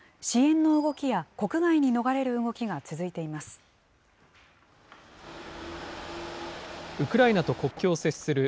支援の動きや国外に逃れる動きが続いています。